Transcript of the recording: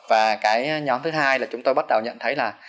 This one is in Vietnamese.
và cái nhóm thứ hai là chúng tôi bắt đầu nhận thấy là